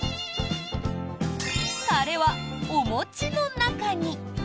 タレはお餅の中に。